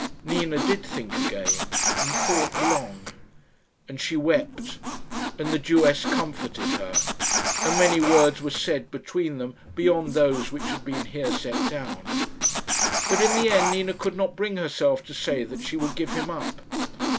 Nina did think again, and thought long. And she wept, and the Jewess comforted her, and many words were said between them beyond those which have been here set down; but, in the end, Nina could not bring herself to say that she would give him up.